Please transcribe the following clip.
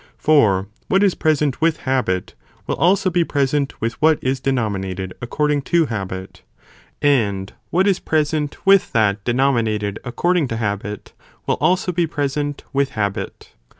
For what is present with habit will also be present with what is denominated according to habit, and what is present with that denominated according to habit, will also be present with habit..